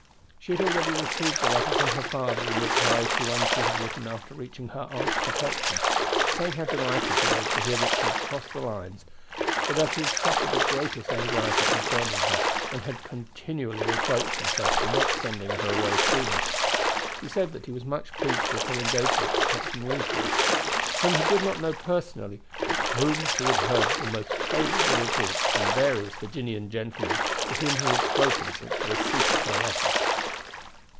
She had already received a letter from her father in reply to one she had written after reaching her aunt's protection, saying how delighted he was to hear that she had crossed the lines, for that he had suffered the greatest anxiety concerning her, and had continually reproached himself for not sending her away sooner. He said that he was much pleased with her engagement to Captain Wingfield, whom he did not know personally, but of whom he heard the most favorable reports from various Virginian gentlemen to whom he had spoken since the receipt of her letter.